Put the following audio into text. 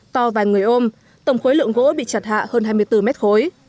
to vài người ôm tổng khối lượng gỗ bị chặt hạ hơn hai mươi bốn mét khối